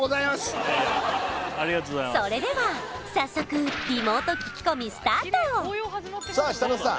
それでは早速リモート聞き込みスタートさあ設楽さん